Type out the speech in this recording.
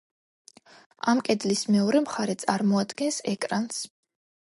ამ კედლის მეორე მხარე წარმოადგენს ეკრანს.